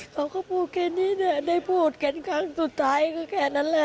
เขาก็พูดแค่นี้แหละได้พูดกันครั้งสุดท้ายก็แค่นั้นแหละ